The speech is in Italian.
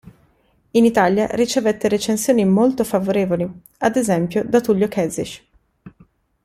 In Italia ricevette recensioni molto favorevoli, ad esempio da Tullio Kezich.